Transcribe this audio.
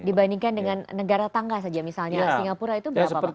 dibandingkan dengan negara tangga saja misalnya singapura itu berapa